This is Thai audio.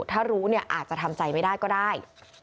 ถ้ารู้เนี่ยอาจจะทำใจไม่ได้ก็ได้